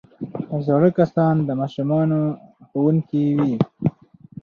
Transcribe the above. زاړه کسان د ماشومانو ښوونکي وي